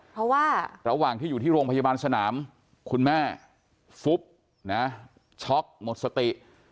เพราะว่าระหว่างที่อยู่ที่โรงพยาบาลสนามคุณแม่ฟุบนะช็อกหมดสติ